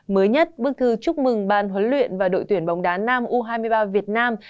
mới nhất bức thư chúc mừng ban huấn luyện và đội tuyển bóng đá nam u hai mươi ba việt nam